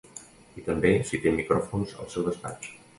I també si té micròfons al seu despatx.